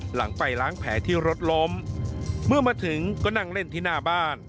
หลังไปล้างแผลที่รถล้มเมื่อมาถึงก็นั่งเล่นที่หน้าบ้าน